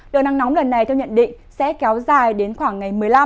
đợt nắng nóng lần này theo nhận định sẽ kéo dài đến khoảng ngày một mươi năm